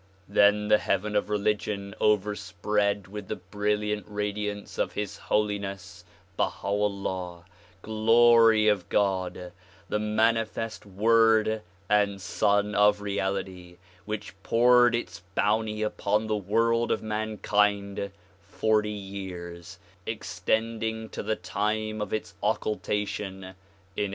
Then the heaven of religion overspread with the brilliant radiance of His Holiness Baha 'Ullah, Glory of God, the manifest Word and Sun of Reality which poured its bounty upon the world of mankind forty years, extending to the time of its occultation in 1892.